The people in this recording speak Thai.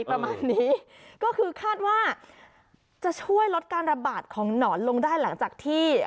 ประมาณนี้ก็คือคาดว่าจะช่วยลดการระบาดของหนอนลงได้หลังจากที่